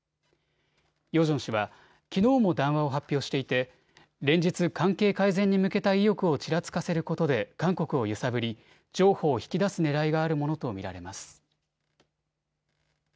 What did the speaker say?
ヨジョン氏はきのうも談話を発表していて連日関係改善に向けた意欲をちらつかせることで韓国を揺さぶり譲歩を引き出す狙いがあると見られます。